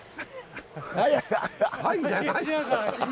はい！